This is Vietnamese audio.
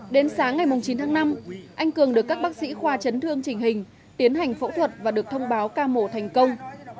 đến sáng ngày chín tháng năm anh cường được các bác sĩ khoa chấn thương chỉnh hình tiến hành phẫu thuật và được thông báo ca mổ thành công